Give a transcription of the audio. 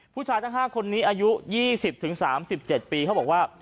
ผู้ชายทั้ง๕คนนี้อายุ๒๐๓๗ปีเขาบอกว่า